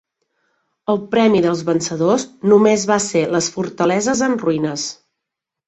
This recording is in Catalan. El premi dels vencedors només va ser les fortaleses en ruïnes.